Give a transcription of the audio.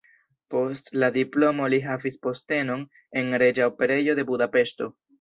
Post la diplomo li havis postenon en Reĝa Operejo de Budapeŝto.